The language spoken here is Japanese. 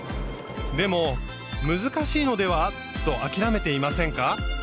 でも難しいのでは？と諦めていませんか？